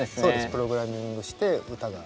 プログラミングして歌が。